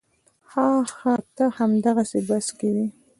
ښه ښه ته همدې بس کې وې.